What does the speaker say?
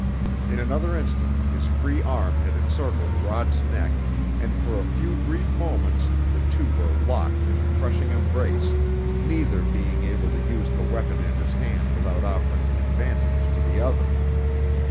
In another instant his free arm had encircled Rod's neck, and for a few brief moments the two were locked in a crushing embrace, neither being able to use the weapon in his hand without offering an advantage to the other.